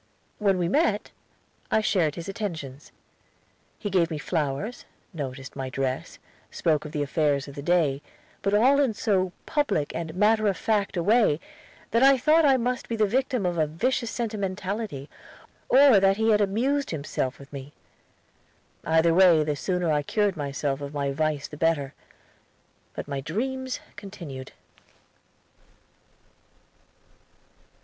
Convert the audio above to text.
When we met, I shared his attentions. He gave me flowers; noticed my dress; spoke of the affairs of the day; but all in so public and matter of fact a way that I thought I must be the victim of a vicious sentimentality, or that he had amused himself with me. Either way, the sooner I cured myself of my vice the better. But my dreams continued.